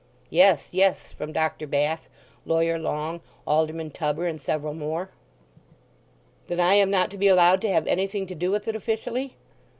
"Yes, yes," from Dr. Bath, Lawyer Long, Alderman Tubber, and several more. "Then I am not to be allowed to have anything to do with it officially?"